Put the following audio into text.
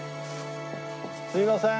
すいません。